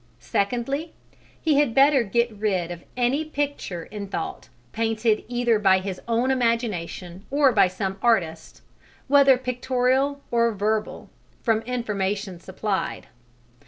Secondly, he had better get rid of any picture in thought painted either by his own imagination or by some artist, whether pictorial or verbal, "from information supplied."